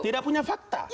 tidak punya fakta